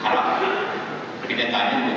harapan tidak terlalu baik